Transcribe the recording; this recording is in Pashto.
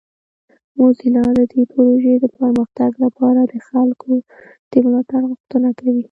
موزیلا د دې پروژې د پرمختګ لپاره د خلکو د ملاتړ غوښتنه کوي.